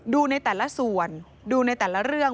ดูในแต่ละส่วนดูในแต่ละเรื่อง